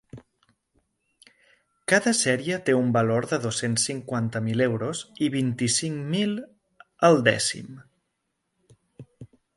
Cada sèrie té un valor de dos-cents cinquanta mil euros i vint-i-cinc mil el dècim.